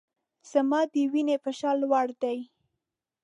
زما د وینې فشار لوړ دی